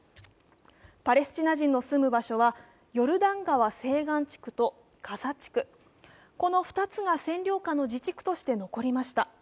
パレスチナ人の住む場所はヨルダン川西岸地区とガザ地区、この２つが占領下の自治区として残りました。